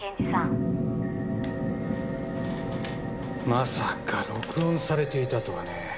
まさか録音されていたとはね。